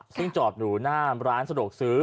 ซึ่งจอดอยู่หน้าร้านสะดวกซื้อ